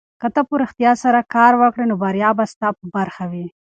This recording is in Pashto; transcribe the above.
که ته په رښتیا سره کار وکړې نو بریا به ستا په برخه وي.